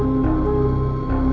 tidak ada yang tahu